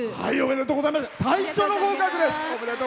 最初の合格です。